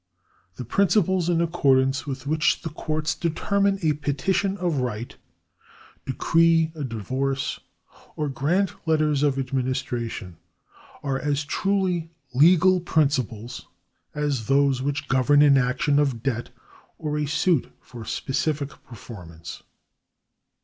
The principles iu accordance with which the courts deter mine a petition of right, decree a divorce, or grant letters of administration, are as truly legal principles as those which govern an action of debt or a suit for specific performance.